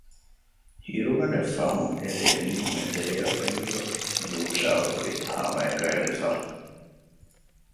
އިރުގަނޑެއް ފަހުން އެދެމީހުން އެތެރެއަށް ވަތްއިރު ޔޫޝައު ހުރީ ހަމައަކަށް އެޅިފަ